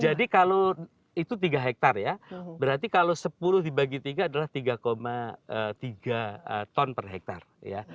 jadi kalau itu tiga hektar ya berarti kalau sepuluh dibagi tiga adalah tiga tiga ton per hektar ya